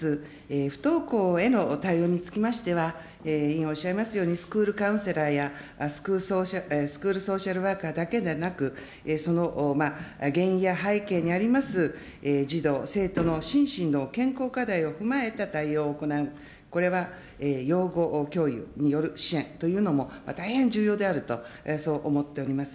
不登校への対応につきましては、委員おっしゃいますように、スクールカウンセラーやスクールソーシャルワーカーだけでなく、その原因や背景にあります、児童・生徒の心身の健康課題を踏まえた対応を行う、これは養護教諭による支援というのも大変重要であると、そう思っております。